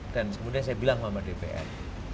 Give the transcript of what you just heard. dan kemudian saya bilang kepada dpr